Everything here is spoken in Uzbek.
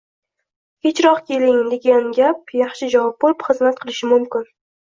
kechroq keling”, degan gap yaxshi javob bo‘lib xizmat qilishi mumkin.